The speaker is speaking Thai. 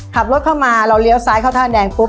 ขับรถเข้ามาเราเลี้ยวซ้ายเข้าท่าแดงปุ๊